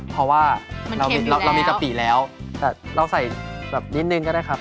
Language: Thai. เพราะว่าเรามีกะปิแล้วแต่เราใส่แบบนิดนึงก็ได้ครับ